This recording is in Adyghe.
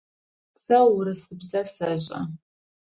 Сэ урысыбзэр сэшӏэ.